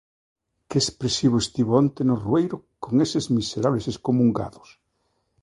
Que expresivo estivo onte no rueiro con eses miserables excomungados!